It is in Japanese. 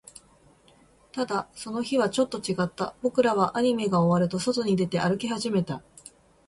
ただ、その日はちょっと違った。僕らはアニメが終わると、外に出て、歩き始めた。